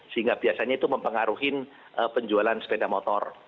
sehingga biasanya itu mempengaruhi penjualan sepeda motor